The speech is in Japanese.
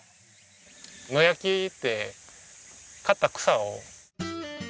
野焼きって刈った草を。